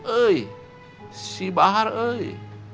eh si bahar eh